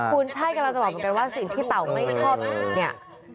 กำลังจะบอกมันเป็นว่าสิ่งที่เต่าไม่ชอบนี่